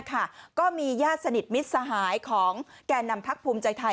ก็มีญาติสนิทมิตรสหายของแก่นำพักภูมิใจไทย